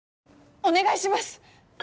お願いします！